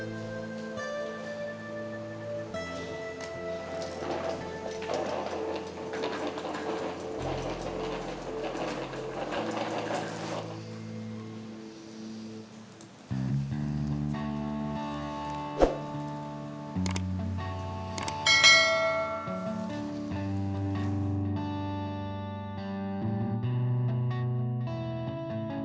terima kasih sayang